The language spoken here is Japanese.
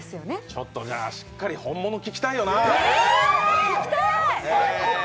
ちょっと、しっかり本物聴きたいよな。